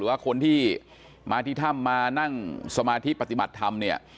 ว่าคนที่มาที่ถ้ำมานั่งสมาธิปฏิบัติธรรมเนี่ย